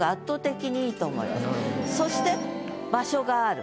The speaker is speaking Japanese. そして場所がある。